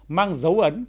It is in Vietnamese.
mang dấu ấn